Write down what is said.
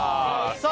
さあ